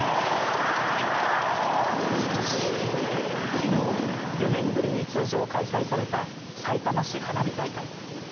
きのう４年ぶりに通常開催されたさいたま市花火大会。